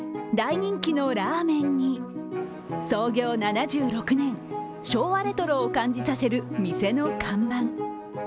大人気のラーメンに創業７６年、昭和レトロを感じさせる店の看板。